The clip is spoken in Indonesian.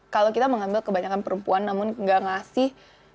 kalau kita mengambil kebanyakan perempuan namun gak ngasih